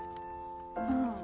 うん。